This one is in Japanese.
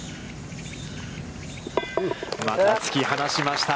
突き放しました。